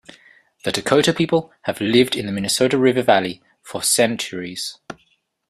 The Dakota people have lived in the Minnesota River Valley for centuries.